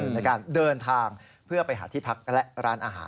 ในการเดินทางเพื่อไปหาที่พักและร้านอาหาร